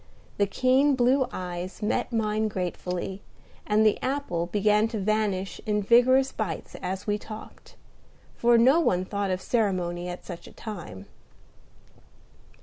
The keen blue eyes met mine gratefully, and the apple began to vanish in vigorous bites as we talked; for no one thought of ceremony at such a time.